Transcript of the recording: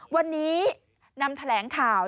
วันนี้นำแถลงข่าว